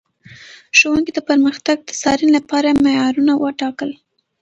ښوونکي د پرمختګ د څارنې لپاره معیارونه ټاکل.